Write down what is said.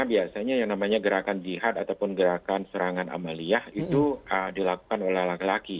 biasanya yang namanya gerakan jihad ataupun gerakan serangan amaliyah itu dilakukan oleh laki laki